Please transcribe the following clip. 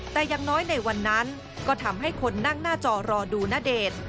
แต่อย่างน้อยในวันนั้นก็ทำให้คนนั่งหน้าจอรอดูณเดชน์